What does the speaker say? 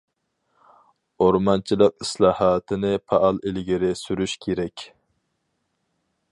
ئورمانچىلىق ئىسلاھاتىنى پائال ئىلگىرى سۈرۈش كېرەك.